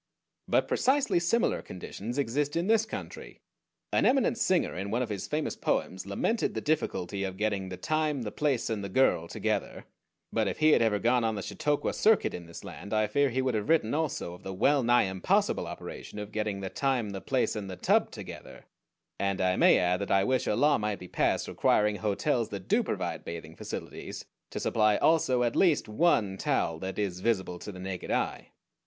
But precisely similar conditions exist in this country. An eminent singer in one of his famous poems lamented the difficulty of getting the Time, the Place, and the Girl together; but if he had ever gone on the Chautauqua circuit in this land I fear he would have written also of the well nigh impossible operation of getting the Time, the Place, and the Tub together; and I may add that I wish a law might be passed requiring hotels that do provide bathing facilities to supply also at least one towel that is visible to the naked eye.